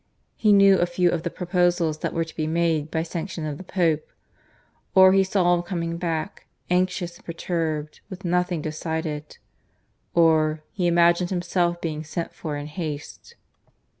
(He knew a few of the proposals that were to be made by sanction of the Pope.) Or he saw him coming back, anxious and perturbed, with nothing decided. Or he imagined himself being sent for in haste.